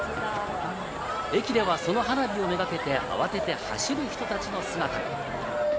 駅ではその花火をめがけて慌てて走る人たちの姿が。